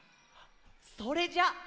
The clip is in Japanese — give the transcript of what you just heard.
それじゃあ。